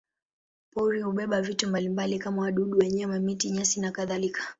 Pori hubeba vitu mbalimbali kama wadudu, wanyama, miti, nyasi nakadhalika.